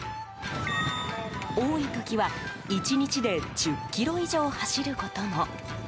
多い時は１日で１０ｋｍ以上走ることも。